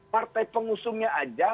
partai pengusungnya aja